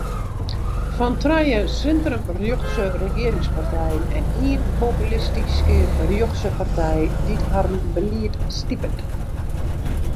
Fan trije sintrum-rjochtse regearingspartijen en ien populistysk-rjochtse partij dy’t harren belied stipet.